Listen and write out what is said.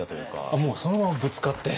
あっもうそのままぶつかって。